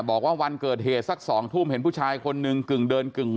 บอกว่าวันเกิดเหตุสัก๒ทุ่มเห็นผู้ชายคนหนึ่งกึ่งเดินกึ่ง